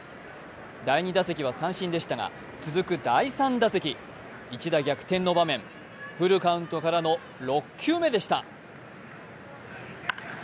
第２打席は三振でしたが続く第３打席１打逆転の場面、フルカウントからの６球目でした。